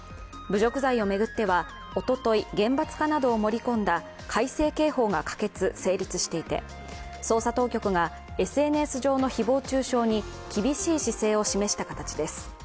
侮辱罪を巡ってはおととい厳罰化などを盛り込んだ改正刑法が可決・成立していて、捜査当局が、ＳＮＳ上の誹謗中傷に厳しい姿勢を示した形です。